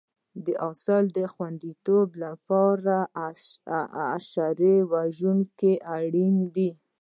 د حاصل خوندیتوب لپاره حشره وژونکي اړین دي.